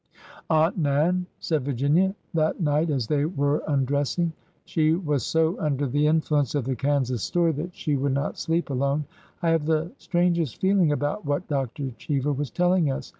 Aunt Nan," said Virginia that night as they were un dressing,— she was so under the influence of the Kansas story that she would not sleep alone,— " I have the strang est feeling about what Dr. Cheever was telling us.